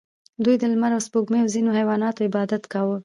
دوی د لمر او سپوږمۍ او ځینو حیواناتو عبادت کاوه